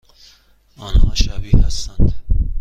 آنها شبیه هستند؟